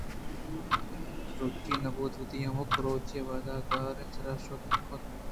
سُرگی نہ بوت ءُوتی ہمک روچی وداریگیں کار ءِ سرا شت نہ کُت اَنت